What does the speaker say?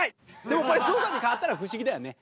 でもこれ象さんに変わったら不思議だよね。